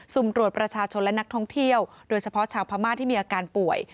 ุ่มตรวจประชาชนและนักท่องเที่ยวโดยเฉพาะชาวพม่าที่มีอาการป่วย